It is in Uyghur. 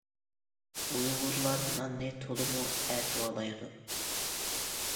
ئۇيغۇرلار ناننى تولىمۇ ئەتىۋارلايدۇ.